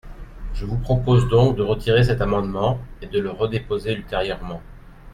Je vous propose donc de retirer cet amendement et de le redéposer ultérieurement.